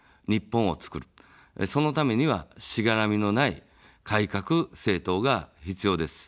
そのためには、しがらみのない改革政党が必要です。